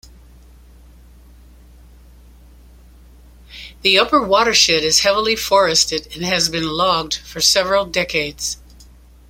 The upper watershed is heavily forested and has been logged for several decades.